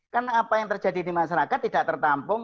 karena apa yang terjadi di masyarakat tidak tertampung